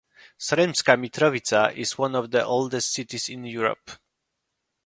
Sremska Mitrovica is one of the oldest cities in Europe.